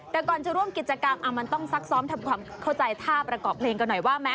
แต่ก่อนจะร่วมกิจกรรมมันต้องซักซ้อมทำความเข้าใจท่าประกอบเพลงกันหน่อยว่าแม้